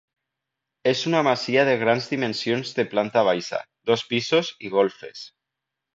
És una masia de grans dimensions de planta baixa, dos pisos i golfes.